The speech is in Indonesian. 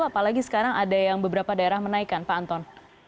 apalagi sekarang ada yang beberapa daerah menaikkan pak anton